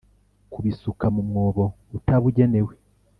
kubisuka mu mwobo utarabugenewe